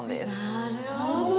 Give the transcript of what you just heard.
なるほどね。